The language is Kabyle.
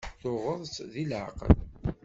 Tuɣeḍ-tt deg leɛqel?